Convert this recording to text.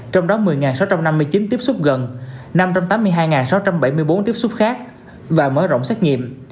trong đó một mươi sáu trăm năm mươi chín tiếp xúc gần năm trăm tám mươi hai sáu trăm bảy mươi bốn tiếp xúc khác và mở rộng xét nghiệm